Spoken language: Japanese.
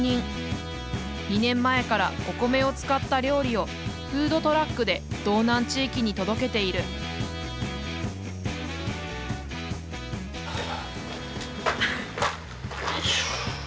２年前からお米を使った料理をフードトラックで道南地域に届けているはあ。